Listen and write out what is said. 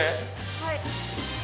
はい。